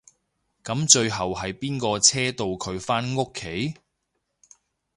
噉最後係邊個車到佢返屋企？